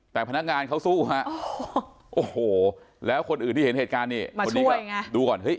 แต่พนักงานเขาสู้ฮะโอ้โหแล้วคนอื่นที่เห็นเหตุการณ์นี่คนนี้ก็ดูก่อนเฮ้ย